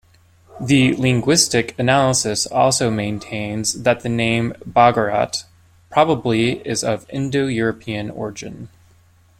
The linguistic analysis also maintains that the name Bagarat probably is of Indo-European origin.